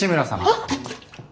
あっ！